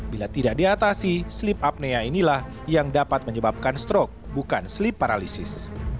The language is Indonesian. bila tidak diatasi sleep apnea inilah yang dapat menyebabkan stroke bukan sleep paralysis